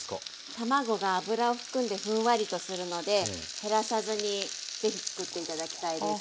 卵が油を含んでふんわりとするので減らさずにぜひつくって頂きたいです。